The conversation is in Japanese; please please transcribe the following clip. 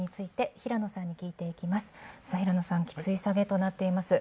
平野さん、きつい下げとなっています。